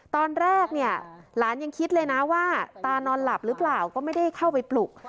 ตอนแรกเนี่ยหลานยังคิดเลยนะว่าตานอนหลับหรือเปล่าก็ไม่ได้เข้าไปปลุก